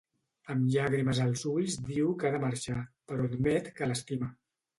Amb llàgrimes als ulls diu que ha de marxar, però admet que l'estima.